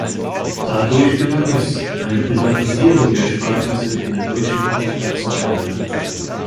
Dadurch gelang es, eine Privatisierung der Sparkasse in der deutschen Hauptstadt zu verhindern.